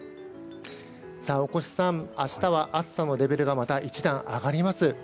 大越さん、明日は暑さのレベルがまた一段上がります。